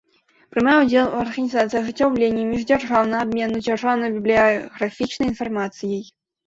Прымае ўдзел у арганiзацыi i ажыццяўленнi мiждзяржаўнага абмену дзяржаўнай бiблiяграфiчнай iнфармацыяй.